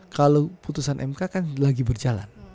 kalau putusan mk kan lagi berjalan